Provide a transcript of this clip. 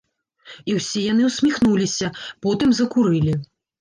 І ўсе яны ўсміхнуліся, потым закурылі.